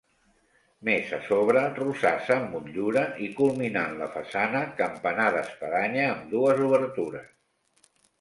Més a sobre, rosassa amb motllura, i culminant la façana, campanar d'espadanya amb dues obertures.